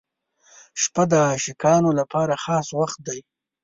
• شپه د عاشقانو لپاره خاص وخت دی.